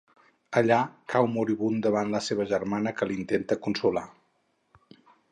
Allà cau moribund davant de la seva germana que l'intenta consolar.